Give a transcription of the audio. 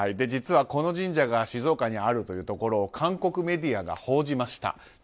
実はこの神社が静岡にあるということを韓国メディアが報じました。